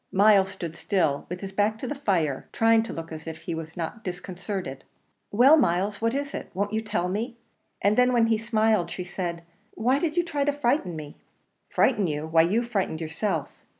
Myles stood still, with his back to the fire, trying to look as if he were not disconcerted. "Well, Myles, what is it? won't you tell me?" And then, when he smiled, she said, "Why did you try and frighten me?" "Frighten you! why you frightened yourself."